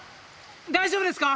大丈夫ですか？